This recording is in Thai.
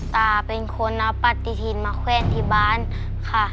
ตาเป็นคนเอาปฏิทินมาแว่นที่บ้านค่ะ